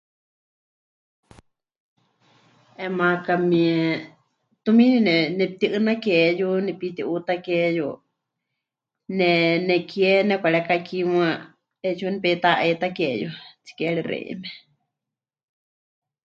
'Eena makamie tumiini ne... nepɨti'ɨnakeyu, nepiti'uutákeyu, ne nekie nepɨkarekaki muuwa 'eetsiwa nepeita'aitakeyu tsikere xeíme.